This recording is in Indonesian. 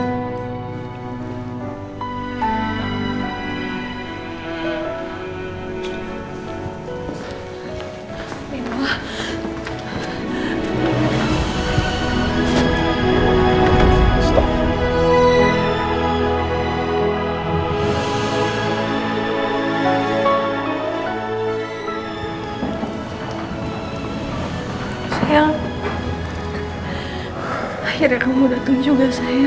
akhirnya kamu datang juga sayang